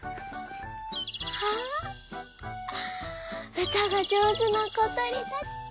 「うたがじょうずなことりたち！